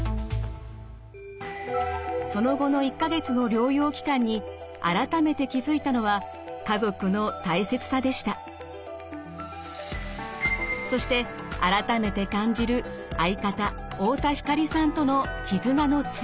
その後の１か月の療養期間に改めて気付いたのはそして改めて感じる相方・太田光さんとの絆の強さ。